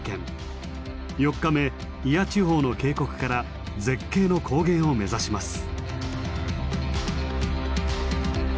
４日目祖谷地方の渓谷から絶景の高原を目指します。